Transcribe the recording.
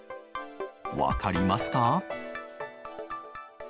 分かりますか？